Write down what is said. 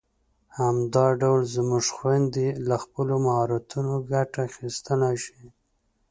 همدا ډول زموږ خويندې له خپلو مهارتونو ګټه اخیستلای شي.